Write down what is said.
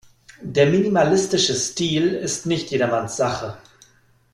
Der minimalistische Stil ist nicht jedermanns Sache.